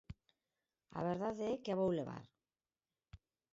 A verdade é que a vou levar.